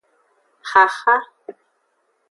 Xaxa.